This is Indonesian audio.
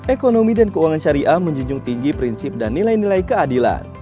ekonomi dan keuangan syariah menjunjung tinggi prinsip dan nilai nilai keadilan